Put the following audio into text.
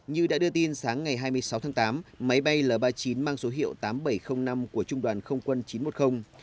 như đã đưa tin sáng ngày hai mươi sáu tháng tám máy bay l ba mươi chín mang số hiệu tám nghìn bảy trăm linh năm của trung đoàn không quân chín trăm một mươi